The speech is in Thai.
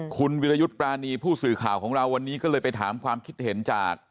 คุณวิรยุทธ์ปรานีผู้สื่อข่าวของเราวันนี้ก็เลยไปถามความคิดเห็นจาก